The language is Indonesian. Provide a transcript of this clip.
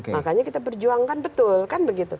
makanya kita berjuangkan betul kan begitu